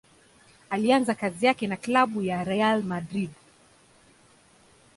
Alianza kazi yake na klabu ya Real Madrid.